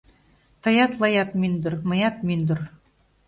Тыят-лаят мӱндыр, мыят мӱндыр